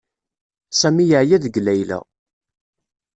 Sami yeɛya deg Layla.